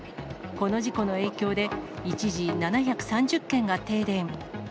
この事故の影響で、一時、７３０軒が停電。